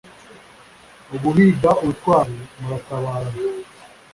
Uguhiga ubutwari muratabarana.